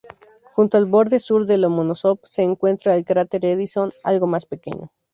Junto al borde sur de Lomonosov se encuentra el cráter Edison, algo más pequeño.